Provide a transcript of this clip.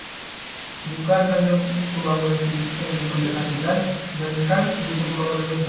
bukan hanya pembangunan fisik yang diperhatikan, melainkan juga pembangunan mental